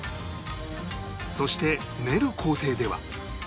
そして練る工程では